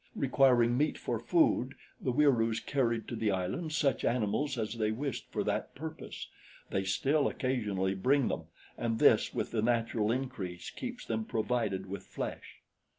Requiring meat for food the Wieroos carried to the island such animals as they wished for that purpose. They still occasionally bring them, and this with the natural increase keeps them provided with flesh."